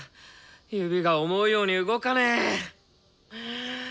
指が思うように動かねぇ！